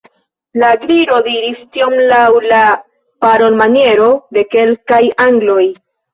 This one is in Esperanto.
La Gliro diris tion laŭ la parolmaniero de kelkaj angloj.